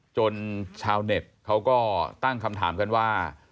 ชาวเน็ตเขาก็ตั้งคำถามกันว่า